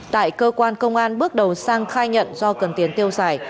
tại cơ quan công an bước đầu sang khai nhận do cần tiền tiêu xài